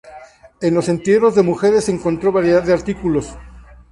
En los entierros de mujeres se encontró variedad de artículos.